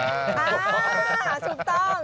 อ่าถูกต้อง